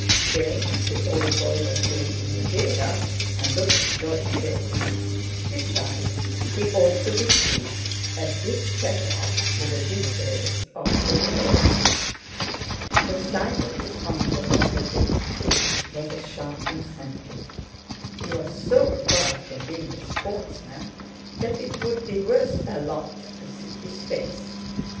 Still, the old boy was drinking Madeira, and looking jolly fit! Besides, he ought to be pleased at this set off to the disgrace of the divorce. The sight of his uncle opposite, too, was a sharp incentive. He was so far from being a sportsman that it would be worth a lot to see his face.